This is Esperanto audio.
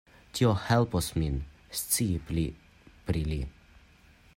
Tio helpos min scii pli pri li.